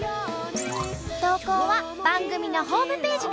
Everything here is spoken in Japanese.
投稿は番組のホームページから。